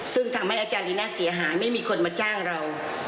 ซึ่งทำให้อาจารย์ลีน่าเสียหายไม่มีคนมาจ้างเรา